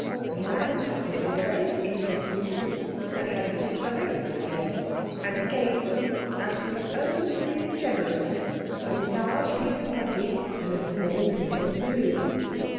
The man cut it with a very interesting tool that had a bit of diamond at the end, and he gave them, out of his own free generousness, a large piece of putty and a small piece of glue.